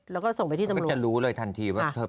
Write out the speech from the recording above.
แล้วก็ส่งไปที่ตำรวจนะครับ